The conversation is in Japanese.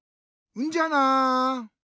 うんじゃあな！